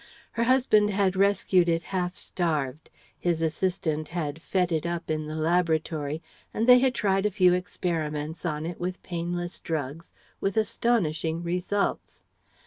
Her husband had rescued it half starved; his assistant had fed it up in the laboratory, and they had tried a few experiments on it with painless drugs with astonishing results.